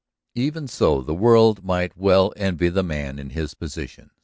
Even so, the world might well envy the man his position.